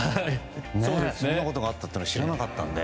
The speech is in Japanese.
そんなことがあったのは知らなかったので。